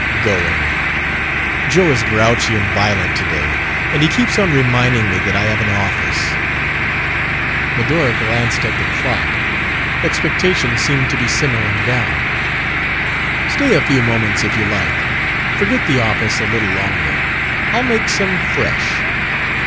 "Going. Joe is grouchy and violent today. And he keeps on reminding me that I have an office." Medora glanced at the clock. Expectation seemed to be simmering down. "Stay a few moments if you like. Forget the office a little longer. I'll make some fresh."